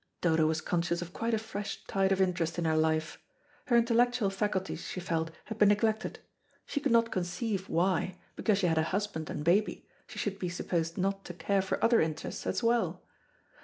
Dodo was conscious of quite a fresh tide of interest in her life. Her intellectual faculties, she felt, had been neglected. She could not conceive why, because she had a husband and baby, she should be supposed not to care for other interests as well.